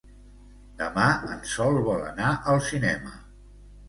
Demà en Sol vol anar al cinema.